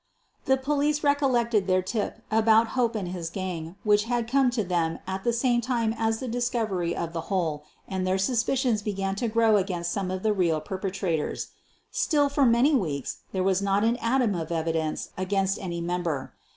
The police recollected their tip about Hope and his gang which had come to them at the same time as the discovery of the hole and their suspicions began to grow against some of the real perpetrator?. Still, for many weeks, there was not an atom of evidence against any member.